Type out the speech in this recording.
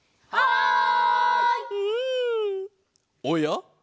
おや？